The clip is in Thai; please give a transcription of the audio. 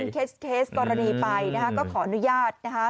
เป็นเคสกรณีไปก็ขออนุญาตนะคะ